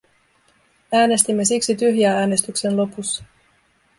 Äänestimme siksi tyhjää äänestyksen lopussa.